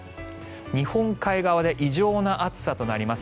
日本海側で異常な暑さとなります。